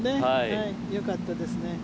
よかったですね。